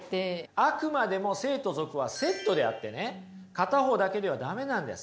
あくまでも聖と俗はセットであってね片方だけでは駄目なんです。